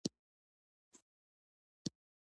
د محصل لپاره ګډون د زده کړې برخه ګڼل کېږي.